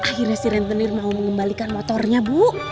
akhirnya si rentenir mau mengembalikan motornya bu